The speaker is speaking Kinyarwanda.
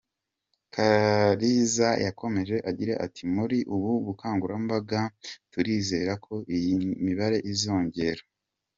Kaliza yakomeje agira ati “Muri ubu bukangurambaga turizera ko iyi mibare iziyongera.